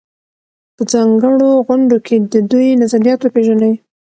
په ځانګړو غونډو کې د دوی نظریات وپېژنئ.